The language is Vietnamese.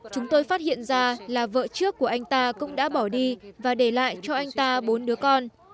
chúng tôi phát hiện ra là vợ trước của anh ta cũng đã bỏ đi và để lại cho anh ta bốn đứa con